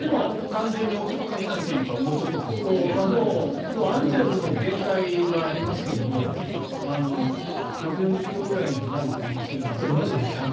単純に大きさと掛け算していいのかもう、ある程度の限界はありますけれども１４０ｋｍぐらいにはなる可能性はありますよね。